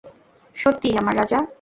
সত্যিই, - আমার রাজা।